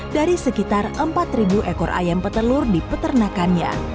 dari sekitar empat ekor ayam petelur di peternakannya